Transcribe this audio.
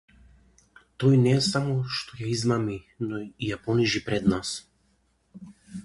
Тој не само што ја измами но и ја понижи пред нас.